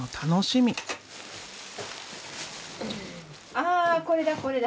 あこれだこれだ。